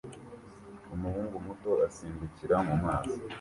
Umuhungu muto asimbukira mu mazi